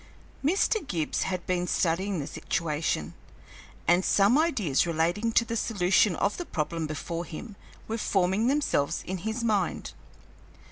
Mr. Gibbs had been studying the situation, and some ideas relating to the solution of the problem before him were forming themselves in his mind.